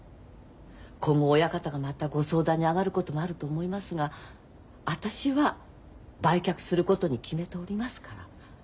今後親方がまたご相談にあがることもあると思いますが私は売却することに決めておりますから。